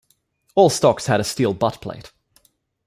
All stocks had a steel buttplate.